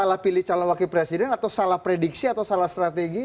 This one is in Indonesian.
salah pilih calon wakil presiden atau salah prediksi atau salah strategi